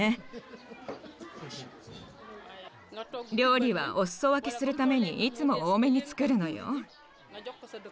料理はお裾分けするためにいつも多めに作るのよ。